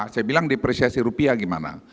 saya bilang depresiasi rupiah gimana